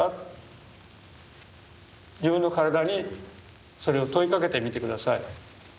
自分の身体にそれを問いかけてみて下さい。